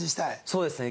そうですね。